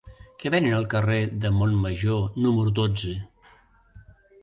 Què venen al carrer de Montmajor número dotze?